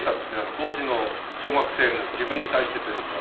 当時の小学生の自分に対してというか。